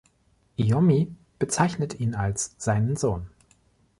Iommi bezeichnet ihn als seinen Sohn.